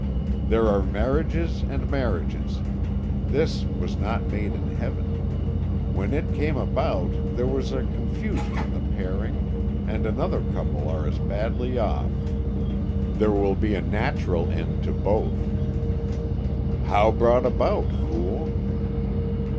"There are marriages and marriages. This was not made in Heaven; when it came about there was a confusion in the pairing, and another couple are as badly off. There will be a natural end to both." "How brought about, fool?"